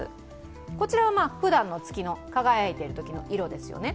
こちらは、ふだんの月の輝いているときの色ですよね。